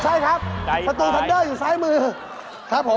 ใช่ครับประตูทันเดอร์อยู่ซ้ายมือครับผม